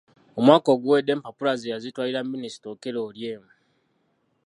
Omwaka oguwedde empapula ze yazitwalira Minisita Okello Oryem.